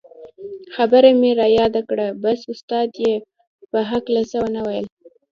خبره مې رایاده کړه بس استاد یې په هکله څه و نه ویل.